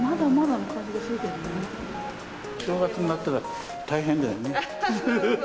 お正月に咲いたら大変だよね。